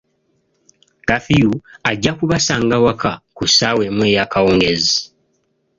Kafiyu ajja kubasanga waka ku ssaawa emu eyaakawungeezi.